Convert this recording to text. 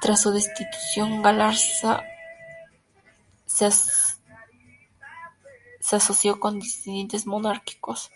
Tras su destitución, Galarza se asoció con disidentes monárquicos.